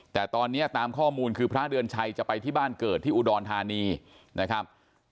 แต่ตอนนี้ตามข้อมูลคือพระเดือนชัยจะไปที่บ้านเกิดที่อุดรธานีนะครับ